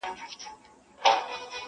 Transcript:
o سل سهاره جاروم له دې ماښامه,